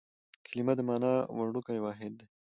کلیمه د مانا وړوکی واحد دئ.